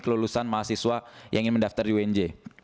kelulusan mahasiswa yang ingin mendaftar di unj